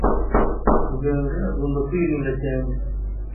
Muganga agomba kwirinda cyane